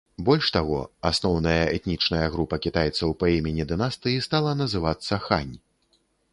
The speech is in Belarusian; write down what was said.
Больш таго, асноўная этнічная група кітайцаў па імені дынастыі стала называцца хань.